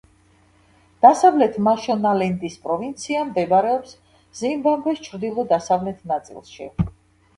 დასავლეთი მაშონალენდის პროვინცია მდებარეობს ზიმბაბვეს ჩრდილო-დასავლეთ ნაწილში.